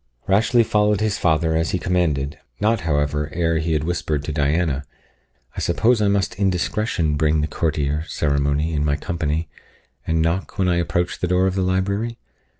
Rashleigh followed his father, as he commanded, not, however, ere he had whispered to Diana, "I suppose I must in discretion bring the courtier, Ceremony, in my company, and knock when I approach the door of the library?"